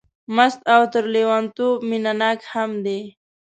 مست او تر لېونتوب مینه ناک هم دی.